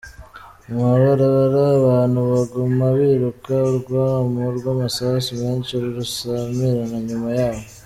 Mu mabarabara abantu baguma biruka urwamo rw'amasasu menshi rusamirana inyuma yabo.